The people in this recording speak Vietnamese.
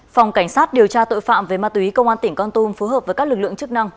phòng cảnh sát điều tra tội phạm về ma túy công an tỉnh con tum phối hợp với các lực lượng chức năng